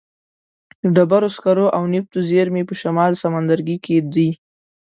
د ډبرو سکرو او نفتو زیرمې په شمال سمندرګي کې دي.